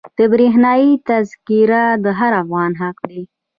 برښنایي تذکره د هر افغان حق دی.